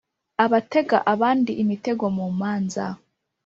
abatega abandi imitego mu manza,